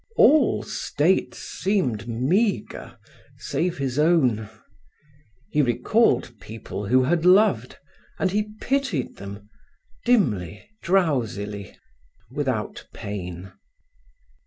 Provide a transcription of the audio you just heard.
All states seemed meagre, save his own. He recalled people who had loved, and he pitied them—dimly, drowsily, without pain.